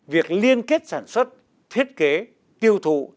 việc liên kết sản xuất thiết kế tiêu thụ